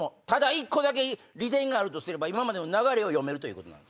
１個だけ利点があるとすれば今までの流れを読めること。